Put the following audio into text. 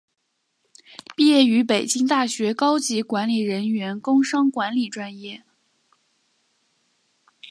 毕业于北京大学高级管理人员工商管理专业。